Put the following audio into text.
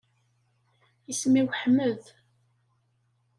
Isem-iw Ḥmed.